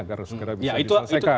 agar segera bisa diselesaikan